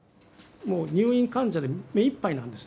入院患者で目いっぱいなんです。